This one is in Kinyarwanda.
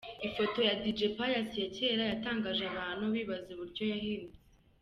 Ifoto ya Dj Pius ya cyera yatangaje abantu bibaza uburyo yahindutse.